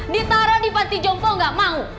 ditaruh di panti jompo nggak mau